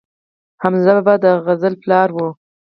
حمزه بابا د غزل پلار و